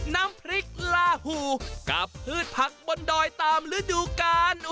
น้ำพริกลาหูกับพืชผักบนดอยตามฤดูกาล